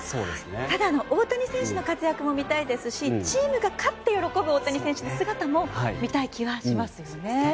ただの大谷選手の活躍も見たいですしチームが勝って喜ぶ大谷選手の姿も見たい気はしますね。